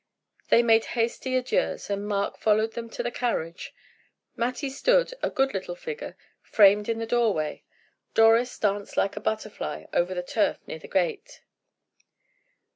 They made hasty adieus, and Mark followed them to the carriage; Mattie stood, a good little figure, framed in the doorway. Doris danced like a butterfly over the turf near the gate.